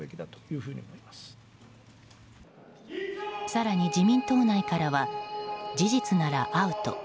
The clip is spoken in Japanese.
更に、自民党内からは事実ならアウト。